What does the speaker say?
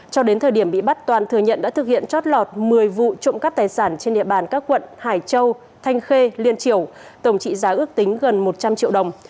cho đến thời điểm bị bắt toàn thừa nhận đã thực hiện chót lọt một mươi vụ trộm cắp tài sản trên địa bàn các quận hải châu thanh khê liên triều tổng trị giá ước tính gần một trăm linh triệu đồng